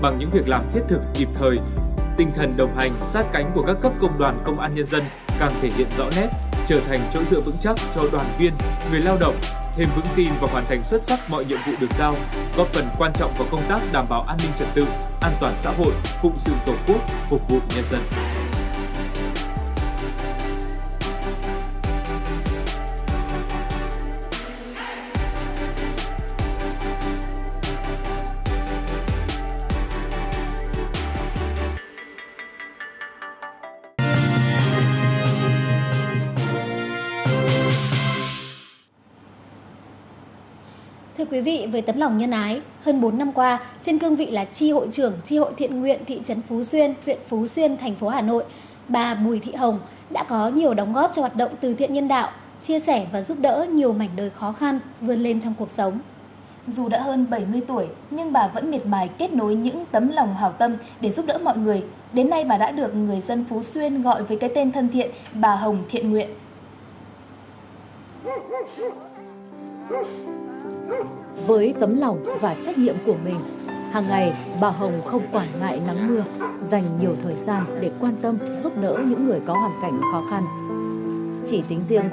bằng những việc làm thiết thực dịp thời tinh thần đồng hành sát cánh của các cấp công đoàn công an nhân dân càng thể hiện rõ nét trở thành chỗ dựa vững chắc cho đoàn viên người lao động thêm vững tin và hoàn thành xuất sắc mọi nhiệm vụ được giao góp phần quan trọng vào công tác đảm bảo an ninh trật tự an toàn xã hội phụng sự tổ quốc phục vụ nhân dân